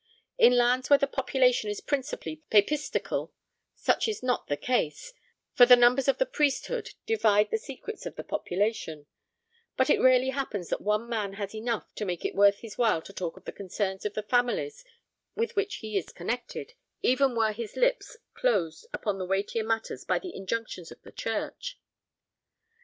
In lands where the population is principally papistical, such is not the case; for the numbers of the priesthood divide the secrets of the population, and it rarely happens that one man has enough to make it worth his while to talk of the concerns of the families with which he is connected, even were not his lips closed upon the weightier matters by the injunctions of the church.